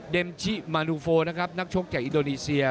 เดมชิมานูโฟนักชกจากอิโดนีเซีย